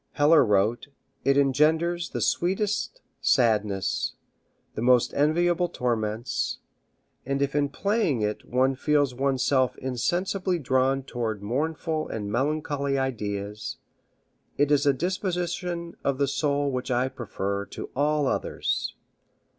Heller wrote: "It engenders the sweetest sadness, the most enviable torments, and if in playing it one feels oneself insensibly drawn toward mournful and melancholy ideas, it is a disposition of the soul which I prefer to all others.